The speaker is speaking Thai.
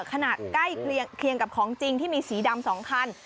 ใกล้เคียงกับของจริงที่มีสีดำ๒คัน